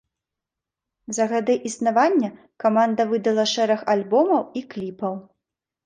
За гады існавання каманда выдала шэраг альбомаў і кліпаў.